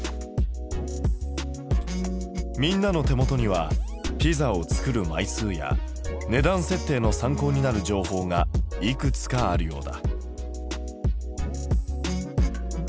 みんなの手元にはピザを作る枚数や値段設定の参考になる情報がいくつかあるようだ。